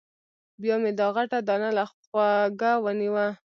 بیا مې دا غټه دانه له غوږه ونیوه.